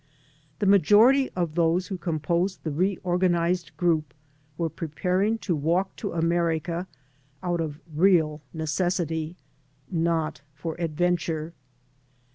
The majority of those who composed the reorganized group were preparing to walk to America out of real necessity, not for adventure.